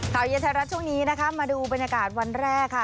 เย็นไทยรัฐช่วงนี้นะคะมาดูบรรยากาศวันแรกค่ะ